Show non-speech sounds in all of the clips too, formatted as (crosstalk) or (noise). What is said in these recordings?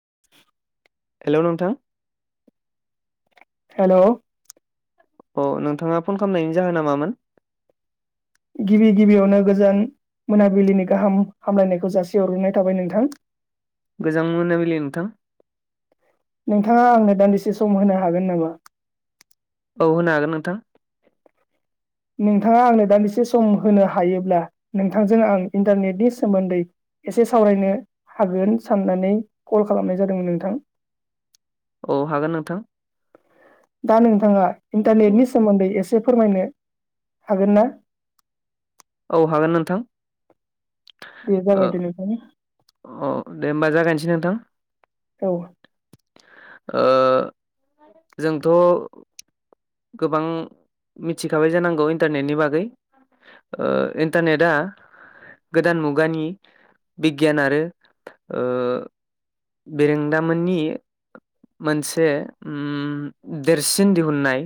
(unintelligible) हेल' नोंथां हेल' अ नोंथाङा फन खामनायनि जाहोना मामोन? गिबि गिबियावनो गोजोन मोनाबिलिनि गाहाम हामलायनायखौ जासिहरग्रोननाय थाबाय नोंथां गोजों मोनाबिलि नोंथां नोंथाङा आंनो दान्दिसे सम होनो हागोन नामा औ होनो हागोन नोंथां नोंथाङा आंनो दान्दिसे सम होनो हायोब्ला नोंथांजों आं इन्टारनेटनि सोमोन्दै एसे सावरायनो हागोन साननानै कल खालामनाय जादोंमोन नोंथां औ हागोन नोंथां दा नोंथाङा इन्टारनेटनि सोमोन्दै एसे से फोरमायनो हागोन ना औ हागोन नोंथां दे ओ जागायदो नोंथां औ दे होमबा जागायनोसै नोंथां औ ओ जोंथ' गोबां मिथिखाबाय जानांगौ इन्टारनेटनि बागै ओ इनटारनेत आ गोदान मुगानि बिगियान आरो ओ बेरेंदामोननि मोनसे उम देरसिन दिहुननाय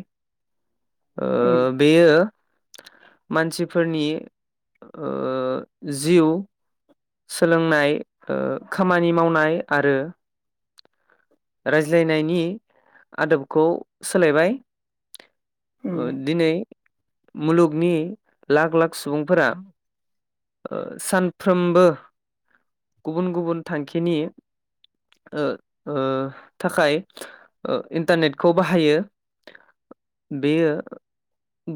ओ उम बेयो मानसिफोरनि ओ जिउ सोलोंनाय ओ खामानि मावनाय आरो रायज्लायनायनि आदबखौ सोलायबाय उम ओ दिनै मुलुगनि लाख लाख सुबुंफोरा ओ सानफ्रोमबो गुबुन गुबुन थांखिनि ओ ओ थाखाय ओ इन्टारनेटखौ बाहायो बेयो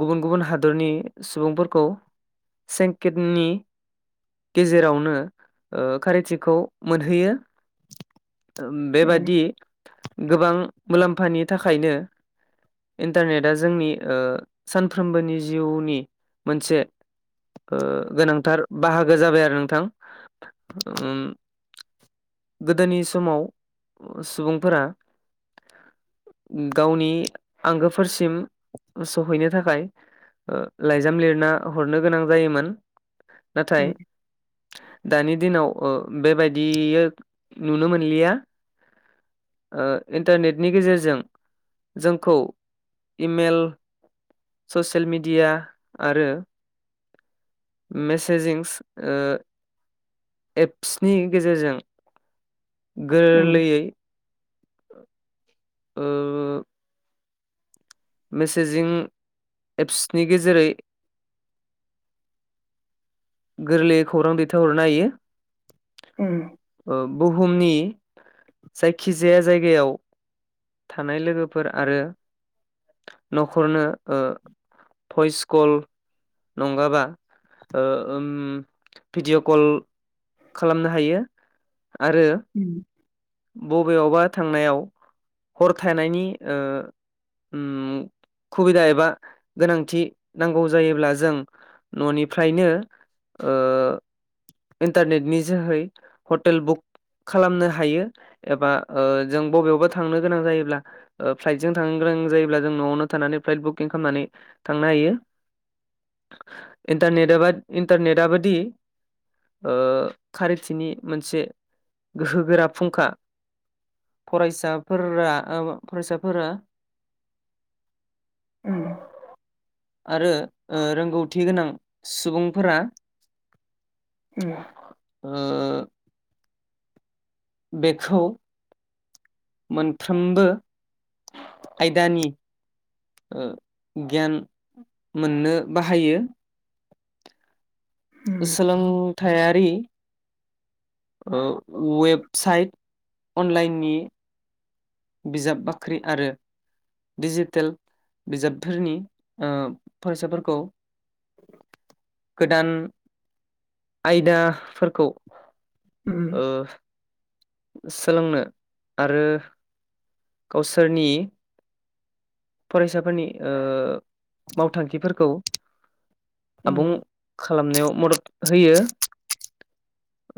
गुबुन गुबुन हादरनि सुबुंफोरखौ सेेंकेटनि गेजेरावनो ओ कारेथिखौ मोनहैयो। ओ उम बेबादि गोबां मुलाम्फानि थाखायनो इन्टारनेटआ जोंनि ओ सानफ्रोमबोनि जिउनि मोनसे ओ गोनांथार बाहागो जाबाय आरो नोंथां ओम । गोदोनि समाव सुबुंफोरा गावनि आंगोफोरसिम सहैनो थाखाय ओ लाइजाम लिरना हरनो गोनां जायोमोन । नाथाय उम दानि दिनाव ओ बेबायदि नुनो मोनलिया। ओ इन्टारनेटनि गेजेरजों। जोंखौ इमेल ससियेल मिडिया आरो मेसेेजिंस ओ एप्सनि गेजेरजों उम गोरलै ओ मेसेजिं एप्सनि गेजेरै (unintelligible) गोरलैयै खौरां दैथायहरनो उम हायो बुहुमनि जायखिजाया जायगायाव थानाय लोगोफोर आरो न'खरनो ओ भइस कल नंङाबा ओ भिडिअ कल खालामनो हायो आरो उम बबेयावबा थांनायाव हरथानायनि सुबिदा एबा गोनांथि नांगौ जायोब्ला जों न'निफ्रायनो इन्टारनेटनि जोहै हटेल बुक खालामनो हायो एबा जों बबेयावबा थांनो गोनां जायोब्ला फ्लाइटजों थांनो गोनां जायोब्ला जों न'आवनो थानानै फ्लाइट बुकिं खालामनानै थांनो हायो इन्टारनेट इन्टारनेट आ बादि खारिथिनि मोनसे गोहोगोरा फुंखा फरायसाफोरा फरायसाफोरा औ आरो रोंगौथि गोनां सुबुंफोरा ए ओ बेखौ मोनफ्रोमबो आयदानि ओ गियान मोननो बाहायो। सोलोंथायारि वेबसाइट अनलाइननि। बिजाब बाख्रि आरो डिजिटेल बिजाबफोरनि फरायसाफोरखौ गोदान आयदाफोरखौ उम सोलोंनो आरो गावसोरनि फरायसाफोरनि मावथांखिफोरखौ उम आबुं खालामनायाव मदद होयो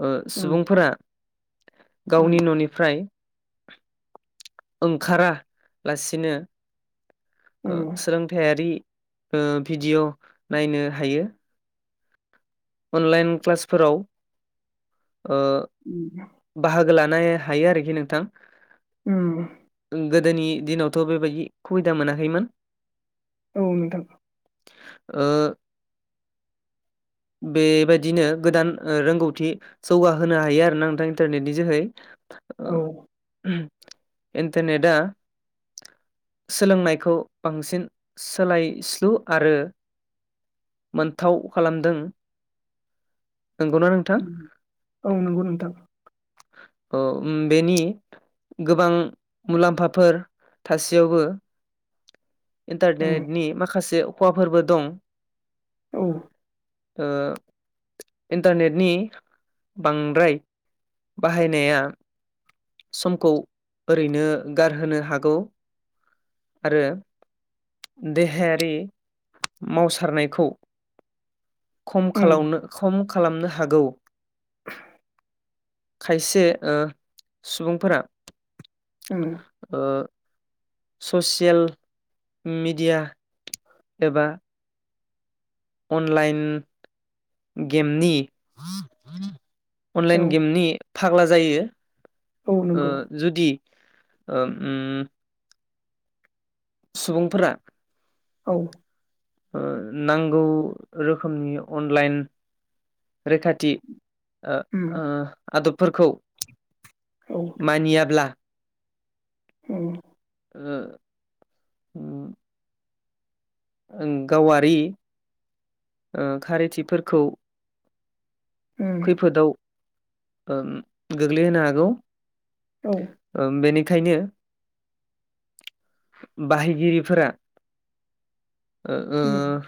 ओ उम सुबुंफोरा उम गावनि न'निफ्राय ओंखारालासिनो ओ उम सोलोंथायारि ओ भिडिय' नायनो हायो। अनलाइन क्लासफोराव ओ उम बाहागो लानो नो हायो आरोखि नोंथां । उम। गोदोनि दिनावथ' बेबायदि सुबिदा मोनाखैमोन औ नोंथां । ओ बेबायदिनो गोदान रोंगौथि जौगाहोनो हायो आरो ना नोंथां इन्टारनेटनि जोहै ओ औ इन्टारनेटा सोलोंनायखौ बांसिन सोलायस्लु आरो मोनथाव खालामदों । औ नंगौ नोंथां । अ उम बेनि गोबां मुलाम्फाफोर थासेयावबो (inaudible) इन्टारनेटनि माखासे खहाफोरबो दं । औ । ओ इन्टारनेटनि बांद्राय बाहायनाया समखौ ओरैनो गारहोनो हागौ आरो देहायारि मावसारनायखौ खम उम खालामनो खम खालामनो हागौ । (unintelligible) खायसे ओ सुबुंफोरा उम ओ ससियेल मिडिया एबा अनलाइन गेमनि औ अनलाइन गेमनि फाग्ला जायो औ ओ नंगौ जुदि ओ ओम सुबुंफोरा औ । ओ नांगौ रोखोमनि अनलाइन रैखाथि ओ उम ओ आदबफोरखौ औ मानियाब्ला उम ओ हो ओं गावारि ओ खारैथिफोरखौ उम खैफोदाव ओ गोग्लैहोनो हागौ औ ओ बेनि खायनो बाहायगिरिफोरा ओ ओ उम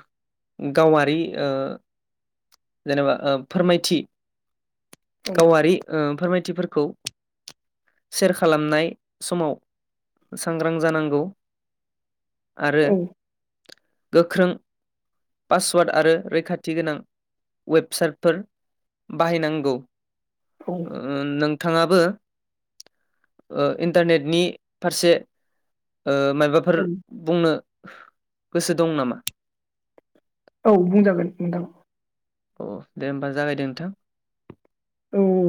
गावारि ओ जेनेबा ओ फोरमायथि औ गावारि ओ फोरमायथि थिफोरखौ सेर खालामनाय समाव सांग्रां जानांगौ । आरो औ गोख्रों पासवार्ड आरो रैखाथि गोनां वेबसाइटफोर बाहायनांगौ औ ओ नोंथाङाबो ओ इन्टारनेटनि फारसे ओ मायबाफोर बुंनो गोसो दं नामा? औ बुंजागोन नोंथां । अ दे होमबा जागायदो नोंथां। औ औ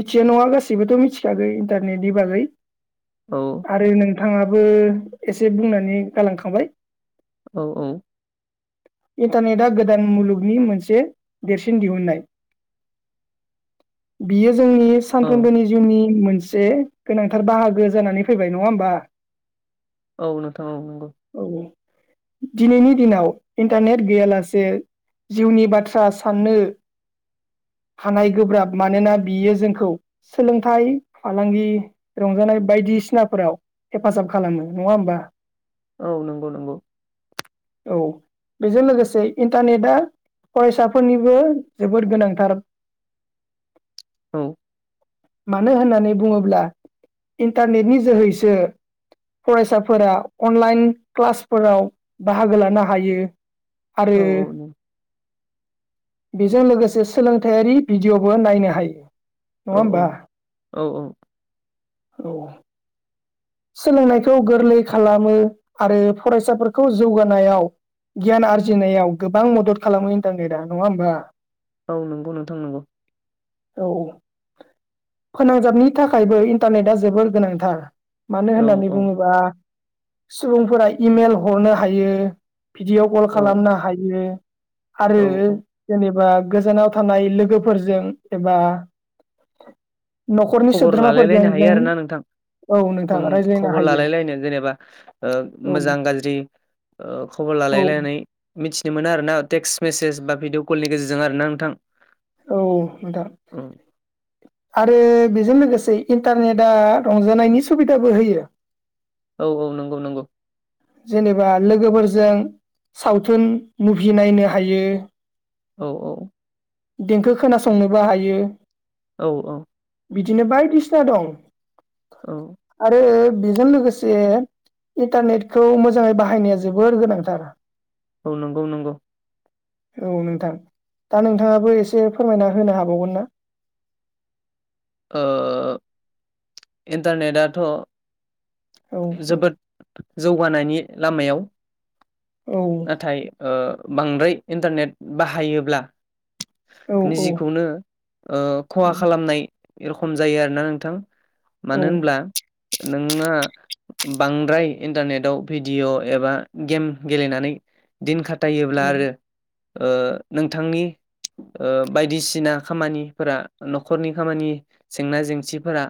मिथिया नङा गासैबोथ' मिथिखागै इन्टारनेटनि बागै औ आरो नोंथाङाबो एसे बुंनानै गालांखांबाय औ औ इन्टारनेटआ गोदान मुलुगनि मोनसे देरसिन दिहुननाय। बियो जोंनि औ सानफ्रोमबोनि जिउनि मोनसे मोनसे गोनांथार बाहागो जानानै फैबाय नङा होमबा औ नोंथां औ नंगौ औ दिनैनि दिनाव इन्टारनेट गैयालासे जिउनि बाथ्रा साननो- हानाय गोब्राब मानोना बियो जोंखौ सोलोंथाइ फालांगि रंजानाय- बायदिसिनाफोराव हेफाजाब खालामो नङा होमबा? औ नंगौ नंगौ औ बेजों लोगोसे इन्टारनेटआ- फरायसाफोरनिबो जोबोद गोनांथार। औ मानो होननानै बुङोब्ला इन्टारनेटनि जोहैसो फरायसाफोरा अनलाइन क्लासफोराव बाहागो लानो हायो। आरो औ औ न बेजों लोगोसे सोलोंथायारि भिडिय'बो नायनो हायो। नङा औ औ होमबा औ औ औ सोलोंनायखौ गोरलै खालामो आरो फरायसाफोरखौ जौगानायाव गियान आरजिनायाव गोबां मदद खालामो इन्टारनेटा नङा होमबा? औ नंगौ ।नोंथां नंगौ। औ । फोनांजाबनि थाखायबो इन्टारनेटआ जोबोर गोनांथार। मानो औ होननानै औ बुङोबा सुबुंफोरा इमेल हरनो हायो। भिडिअ'' कल औ खालामनो हायो। आरो औ औ जेनेबा गोजानाव थानाय लोगोफोरजों एबा न'खरनि खबर सोद्रोमाफोरजों लालायलायनो हायो जों आरोना नोंथां औ नों खबर लालायलायनो जेनेबा औ मोजां गाज्रि खबर औ लालायलायनानै मिथिनो मोन आरोना टेक्स्ट मेसेज बा भिडिअ कलनि गेजेरजों आर ना नोंथां। औ नोंथां औ । आरो बेजों लोगोसे इन्टारनेटआ रंजानायनि सुबिदाबो होयो। औ औ नंगौ नंगौ। जेनेबा लोगोफोरजों सावथुन मुभि नायनो हायो । औ औ। देंखो खोनासंनोबो हायो। औ औ । बिदिनो बायदिसिना दं औ । आरो बेजों लोगोसे इन्टारनेटखौ मोजाङै बाहायनाया जोबोर गोनांथार। औ नंगौ नंगौ। औ नोंथां । दा नोंथाङाबो एसे फोरमायना होनो हाबावगोन ना? (inaudible) ओ औ इन्टारनेटआथ' जोबोद नोंथां जौगानायनि लामायाव औ नाथाय बांद्राय इन्टारनेट बाहायोब्ला औ औ निजेखौनो खहा खालामनाय ए रखम जायो आरोना नोंथां औ ।मानो होनब्ला नोंङो बांद्राय इन्टारनेटाव भिडिअ' एबा गेम गेलेनानै दिन खाथायोबब्ला आरो ओ नोंथांनि ओ बायदिसिना खामानिफोरा न'खरनि खामानि जेंना जेंसिफोरा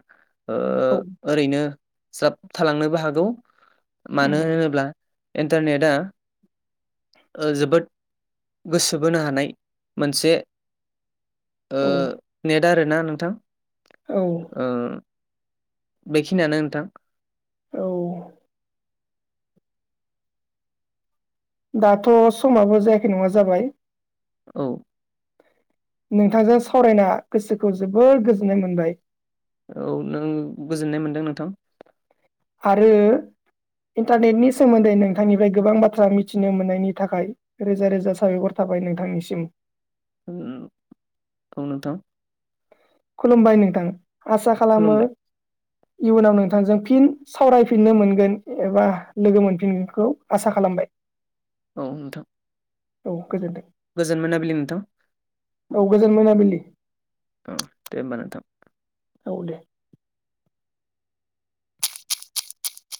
ओ औ ओरैनो जाब थालांनोबो हागौ । मानो होनोब्ला इन्टारनेटआ जोबोद गोसो बोनो हानाय मोनसे ओ नेट आरोना नोंथां? औ ओ बेखिनियानो नोंथां। औ। दाथ' समाबो जायाखै नङा जाबाय। औ। नोंथांजों सावरायना गोसोखौ जोबोर गोजोननाय मोनबाय। औ ।नों गोजोननाय मोनदों नोंथां। आरो इन्टारनेटनि सोमोन्दै नोंथांनिफ्राय गोबां बाथ्रा मिथिनो मोननायनि थाखाय रोजा रोजा साबायखर थाब। जाबाय नोंथांनिसिम । उ बुंनोथां खुलुमबाय नोंथां ।आसा खालामो खुलुमबाय इयुनाव नोंथांजों फिन सावरायफिननो मोनगोन। एबा लोगो मोनफिनगोनखौ आसा खालामो। खालामबाय। औ नोंथां। औ गोजोनदों गोजोन मोनाबिलि नोंथां । औ गोजोन मोनाबिलि। औ ।दे होनबा नोंथां। औ दे।